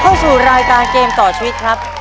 เข้าสู่รายการเกมต่อชีวิตครับ